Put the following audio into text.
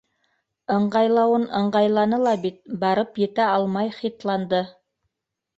Ыңғайлауын ыңғайланы ла бит - барып етә алмай хитланды.